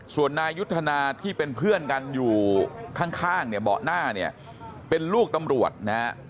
ส่วนนายุทธนาที่เป็นเพื่อนกันอยู่ข้างเนี่ยเบาะหน้าเนี่ยเป็นลูกตำรวจนะฮะ